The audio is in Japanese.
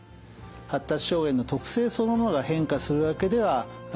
発達障害の特性そのものが変化するわけではありません。